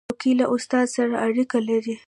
چوکۍ له استاد سره اړیکه لري.